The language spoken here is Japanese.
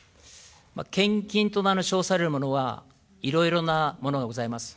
献金と称されるものはいろいろなものがございます。